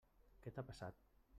Què t'ha passat?